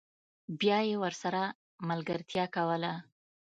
بیا یې ورسره ملګرتیا کوله